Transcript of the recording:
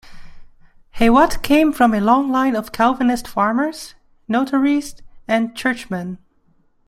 Hewat came from a long line of Calvinist farmers, notaries and churchmen.